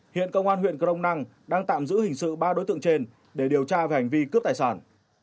hiện công an huyện crong năng đang tạm giữ hình sự ba đối tượng trên để điều tra về hành vi cướp tài sản